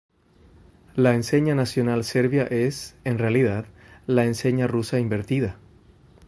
La enseña nacional serbia es, en realidad, la enseña rusa invertida.